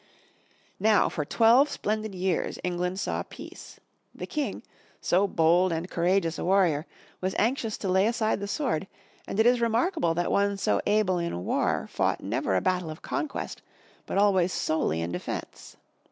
Now for twelve splendid years, England saw peace. The 86 FROM THE TOWER WINDOW King, so bold and courageous a warrior, was anxious to lay aside the sword, and it is remarkable that one so able in war fought never a battle of conquest, but always solely in defense.